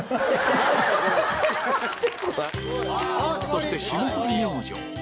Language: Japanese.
そして霜降り明星